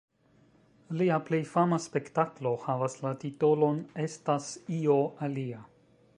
Lia plej fama spektaklo havas la titolon "Estas io alia".